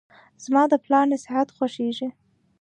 زماد پلار نصیحت خوښیږي.